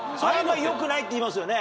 よくないっていいますよね。